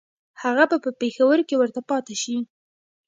هغه به په پېښور کې ورته پاته شي.